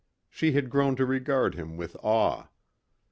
She had grown to regard him with awe.